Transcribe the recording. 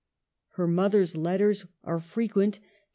Her mother's letters are frequent to M.